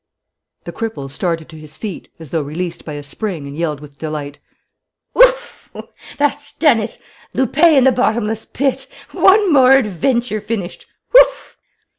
The cripple started to his feet, as though released by a spring, and yelled with delight: "Oof! That's done it! Lupin in the bottomless pit! One more adventure finished! Oof!"